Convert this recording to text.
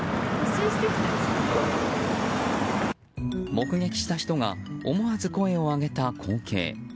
目撃した人が思わず声を上げた光景。